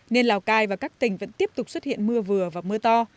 nên lào cai và các tỉnh vẫn tiếp tục xuất hiện mưa vừa và mưa to